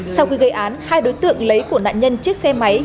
sau khi gây án hai đối tượng lấy của nạn nhân chiếc xe máy